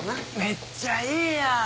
めっちゃええやん！